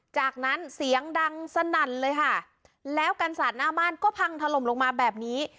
จากนั้นเสียงดังสนั่นเลยค่ะแล้วกันสาดหน้าบ้านก็พังถล่มลงมาแบบนี้